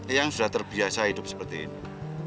yang sudah terbiasa hidup seperti ini